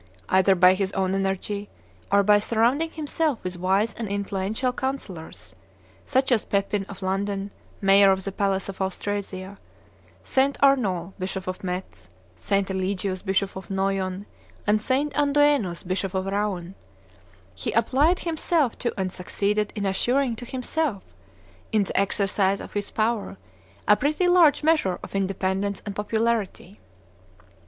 Either by his own energy, or by surrounding himself with wise and influential counsellors, such as Pepin of Landen, mayor of the palace of Austrasia, St. Arnoul, bishop of Metz, St. Eligius, bishop of Noyon, and St. Andoenus, bishop of Rouen, he applied himself to and succeeded in assuring to himself, in the exercise of his power, a pretty large measure of independence and popularity.